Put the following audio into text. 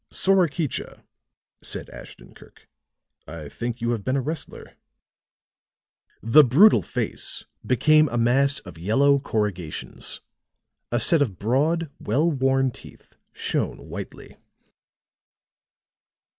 "Sorakicha," said Ashton Kirk, "I think you have been a wrestler." The brutal face became a mass of yellow corrugations; a set of broad, well worn teeth shone whitely.